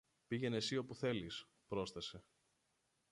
Πήγαινε συ όπου θέλεις, πρόσθεσε